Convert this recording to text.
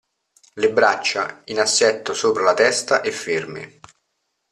Le braccia in assetto sopra la testa e ferme.